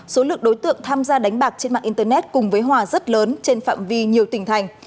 số lượng đối tượng tham gia đánh bạc trên mạng internet cùng với hòa rất lớn trên phạm vi nhiều tỉnh thành